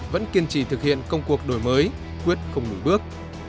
vẫn kiên trì thực hiện công cuộc đổi mới quyết không lùi bước